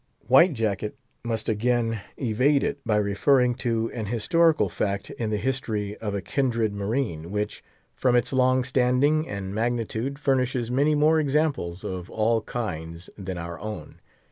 White Jacket must again evade it, by referring to an historical fact in the history of a kindred marine, which, from its long standing and magnitude, furnishes many more examples of all kinds than our own.